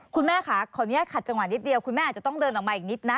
คุณแม่ค่ะขออนุญาตขัดจังหวะนิดเดียวคุณแม่อาจจะต้องเดินออกมาอีกนิดนะ